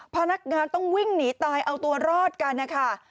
พนักงานต้องวิ่งหนีตายเอาตัวรอดกันนะคะ